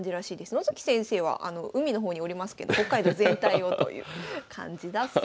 野月先生は海の方におりますけど北海道全体をという感じだそうです。